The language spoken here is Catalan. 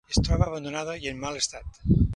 Es troba abandonada i en mal estat.